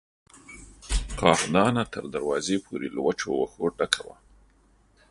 کاه دانه تر دروازې پورې له وچو وښو ډکه وه.